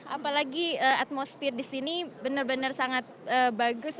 apalagi atmosfer di sini benar benar sangat bagus